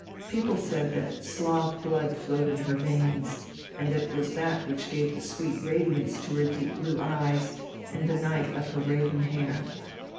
People said that Slav blood flowed in her veins, and that it was that which gave the sweet radiance to her deep blue eyes and the night of her raven hair.